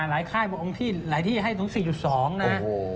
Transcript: หลายค่ายบุคคลองที่หลายที่ให้ถึง๔๒นะ